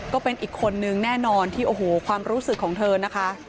ก็เป็นอีกคนนึงแน่นอนที่โอ้โหความรู้สึกของเธอนะคะ